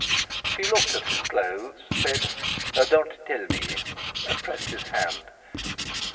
She looked at his clothes, said, "Don't tell me!" and pressed his hand.